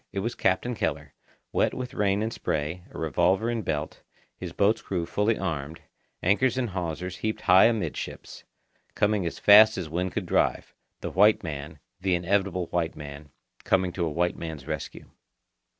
It was Captain Keller, wet with rain and spray, a revolver in belt, his boat's crew fully armed, anchors and hawsers heaped high amidships, coming as fast as wind could drive—the white man, the inevitable white man, coming to a white man's rescue.